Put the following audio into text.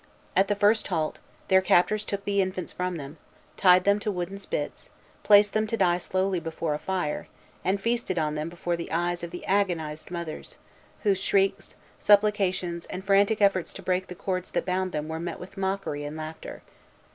At the first halt, their captors took the infants from them, tied them to wooden spits, placed them to die slowly before a fire, and feasted on them before the eyes of the agonized mothers, whose shrieks, supplications, and frantic efforts to break the cords that bound them were met with mockery and laughter.